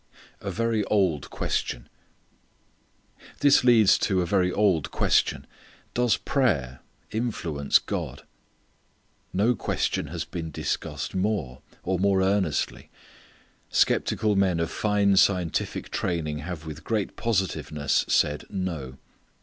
A Very Old Question. This leads to a very old question: Does prayer influence God? No question has been discussed more, or more earnestly. Skeptical men of fine scientific training have with great positiveness said "no."